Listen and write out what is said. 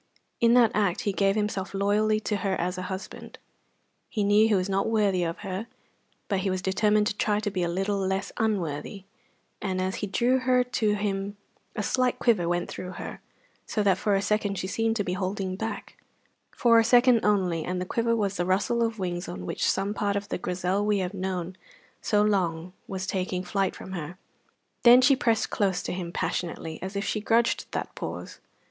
In that act he gave himself loyally to her as a husband. He knew he was not worthy of her, but he was determined to try to be a little less unworthy; and as he drew her to him a slight quiver went through her, so that for a second she seemed to be holding back for a second only, and the quiver was the rustle of wings on which some part of the Grizel we have known so long was taking flight from her. Then she pressed close to him passionately, as if she grudged that pause.